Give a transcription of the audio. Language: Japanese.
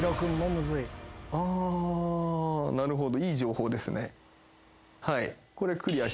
あなるほど。